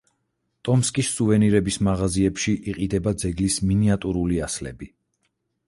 ტომსკის სუვენირების მაღაზიებში იყიდება ძეგლის მინიატურული ასლები.